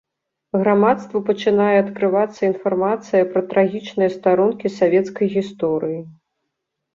Грамадству пачынае адкрывацца інфармацыя пра трагічныя старонкі савецкай гісторыі.